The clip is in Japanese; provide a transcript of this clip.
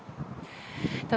ただ、